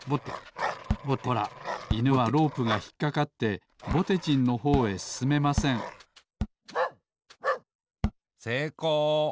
ほらいぬはロープがひっかかってぼてじんのほうへすすめませんせいこう。